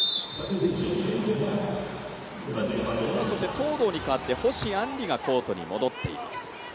東藤に代わって星杏璃がコートに戻っています。